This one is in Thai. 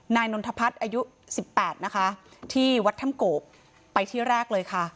นนทพัฒน์อายุสิบแปดนะคะที่วัดถ้ำโกบไปที่แรกเลยค่ะ